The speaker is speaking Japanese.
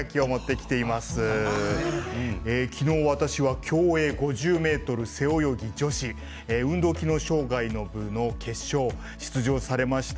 きのう私は競泳５０ｍ背泳ぎ女子運動機能障がいの部の決勝、出場されました